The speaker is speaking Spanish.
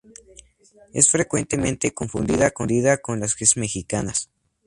Es frecuentemente confundida con las quesadillas mexicanas.